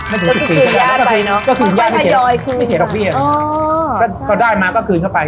ไม่ถึง๑๐ปียากไป